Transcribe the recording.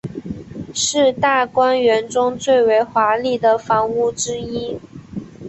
是大观园中最为华丽的房屋之一。